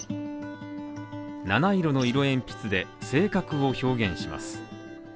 ７色の色鉛筆で性格を表現します。